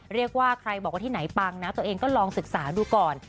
เรียกว่าใครบอกว่าที่ไหนปังนะตัวเองก็ลองศึกษาดูก่อน